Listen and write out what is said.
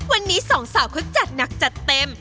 วันนี้สองสาวเขาจัดหนักจัดเต็ม